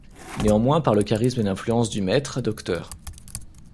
Néanmoins, par le charisme et l'influence du maître, Dr.